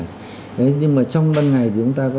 thế nhưng mà trong ban ngày thì chúng ta có